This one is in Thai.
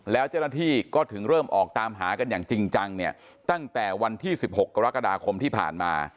แล้วเจ้าหน้าที่ก็ถึงเริ่มออกตามหากันอย่างจริงจังเนี่ยตั้งแต่วันที่๑๖กรกฎาคมที่ผ่านมา